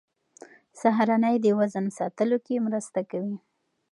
سهارنۍ د وزن ساتلو کې مرسته کوي.